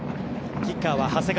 キッカーは長谷川。